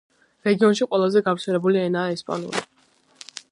რეგიონში ყველაზე გავრცელებული ენაა ესპანური.